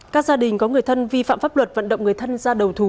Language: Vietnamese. các gia đình có người thân vi phạm pháp luật vận động người thân ra đầu thú